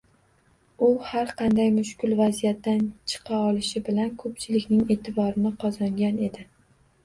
U har qanday mushkul vaziyatdan chiqa olishi bilan ko`pchilikning e`tiborini qozongan edi